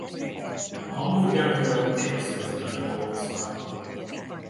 A Hamburger Hill igaz történetet dolgoz fel.